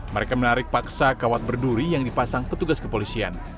mereka menarik paksa kawat berduri yang dipasang petugas kepolisian